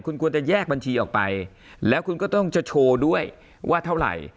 คุณควรจะแยกบัญชีออกไปแล้วคุณก็ต้องจะโชว์ด้วยว่าเท่าไหร่